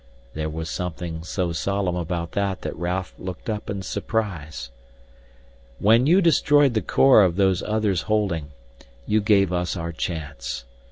There was something so solemn about that that Raf looked up in surprise. "When you destroyed the core of Those Other's holding, you gave us our chance.